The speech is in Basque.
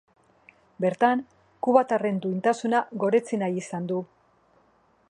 Bertan kubatarren duintasuna goretsi nahi izan du.